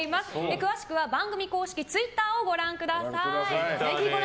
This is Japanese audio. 詳しくは番組公式ツイッターをご覧ください。